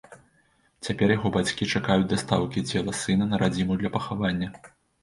Цяпер яго бацькі чакаюць дастаўкі цела сына на радзіму для пахавання.